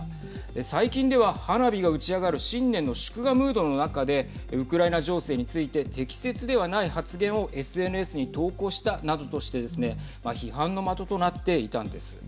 最近では花火が打ち上がる新年の祝賀ムードの中でウクライナ情勢について適切ではない発言をＳＮＳに投稿したなどとしてですね批判の的となっていたんです。